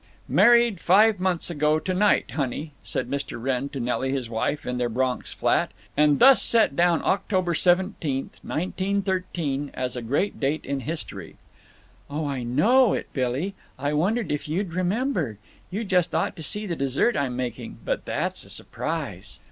_" "Married five months ago to night, honey," said Mr. Wrenn to Nelly, his wife, in their Bronx flat, and thus set down October 17, 1913, as a great date in history. "Oh, I know it, Billy. I wondered if you'd remember. You just ought to see the dessert I'm making—but that's a s'prise."